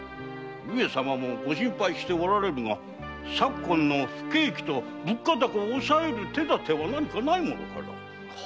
上様もご心配しておられるが昨今の不景気と物価高を抑える手だては何かないものか？